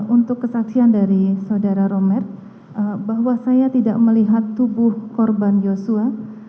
untuk kesaksian dari saudara romer bahwa saya tidak melihat tubuh korban yosua